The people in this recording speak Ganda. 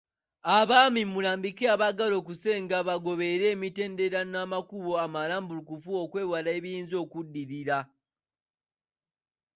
Abaami mulambike abaagala okusenga bagoberere emitendera n'amakubo amalambulukufu olwokwewala ebiyinza okuddirira.